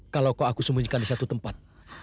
kalau kau aku sembunyikan di satu tempat